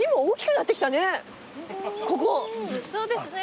そうですね。